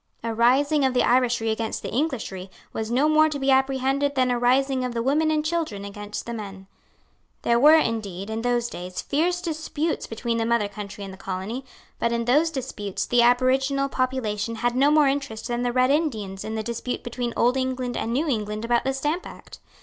A rising of the Irishry against the Englishry was no more to be apprehended than a rising of the women and children against the men. There were indeed, in those days, fierce disputes between the mother country and the colony; but in those disputes the aboriginal population had no more interest than the Red Indians in the dispute between Old England and New England about the Stamp Act.